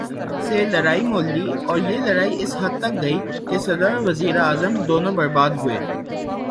سے لڑائی مول لی اور یہ لڑائی اس حد تک گئی کہ صدر اور وزیر اعظم دونوں برباد ہوئے۔